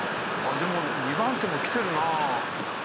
でも２番手も来てるな。